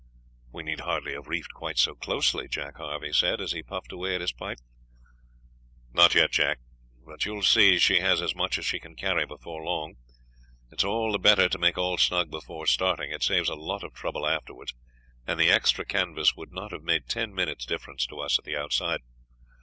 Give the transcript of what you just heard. "We need hardly have reefed quite so closely," Jack Harvey said, as he puffed away at his pipe. "Not yet, Jack; but you will see she has as much as she can carry before long. It's all the better to make all snug before starting; it saves a lot of trouble afterwards, and the extra canvas would not have made ten minutes' difference to us at the outside.